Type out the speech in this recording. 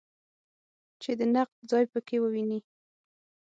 چې د نقد ځای په کې وویني.